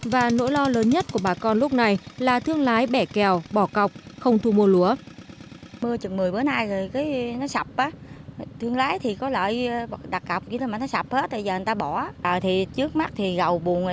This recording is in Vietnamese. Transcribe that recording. và nỗi lo lớn nhất của bà con lúc này là thương lái bẻ kèo bỏ cọc không thu mua lúa